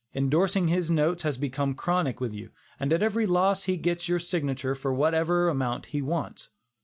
Indorsing his notes has become chronic with you, and at every loss he gets your signature for whatever amount he wants.